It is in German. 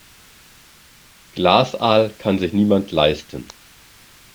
Glasaal kann sich niemand leisten.